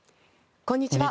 こんにちは。